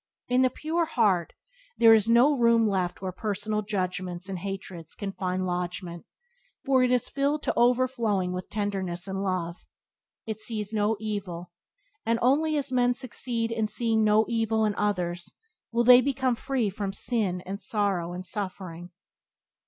In the pure heart there is no room left where personal judgments and hatreds can find lodgement, for it is filled to overflowing with tenderness and love; it sees no evil; and only as men succeed in seeing no evil in others will they become free from sin and sorrow and suffering.